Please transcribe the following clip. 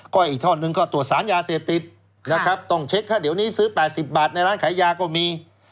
ก็อีกท่อนหนึ่งก็ตรวจสารยาเสพติดนะครับต้องเช็คถ้าเดี๋ยวนี้ซื้อ๘๐บาทในร้านขายยาก็มี